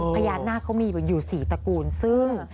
พญานาคเขามีอยู่๔ตระกูลซึ่ง